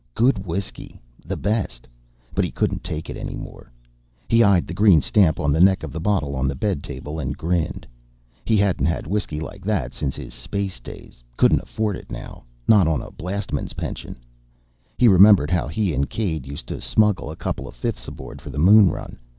Good whiskey, the best but he couldn't take it any more. He eyed the green stamp on the neck of the bottle on the bed table and grinned. He hadn't had whiskey like that since his space days. Couldn't afford it now, not on a blastman's pension. He remembered how he and Caid used to smuggle a couple of fifths aboard for the moon run.